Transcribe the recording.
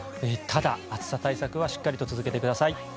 ただ、暑さ対策はしっかりと続けてください。